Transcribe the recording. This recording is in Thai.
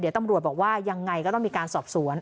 เดี๋ยวตำรวจบอกว่ายังไงก็ต้องมีการสอบสวน